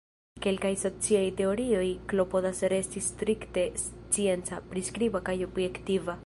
Kelkaj sociaj teorioj klopodas resti strikte scienca, priskriba, kaj objektiva.